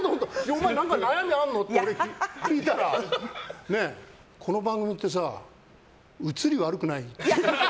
お前何か悩みあるの？って聞いたらこの番組ってさ映り悪くない？って。